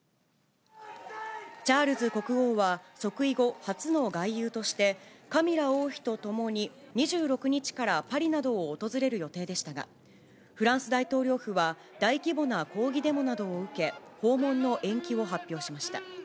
チャールズ国王は、即位後、初の外遊として、カミラ王妃と共に、２６日からパリなどを訪れる予定でしたが、フランス大統領府は、大規模な抗議デモなどを受け、訪問の延期を発表しました。